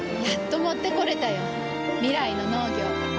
やっと持ってこれたよ。未来の農業。